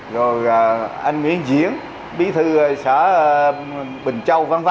rồi anh nguyễn diễn bí thư xã bình châu v v